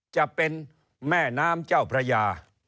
จะเป็นแม่น้ำเจ้าพระยา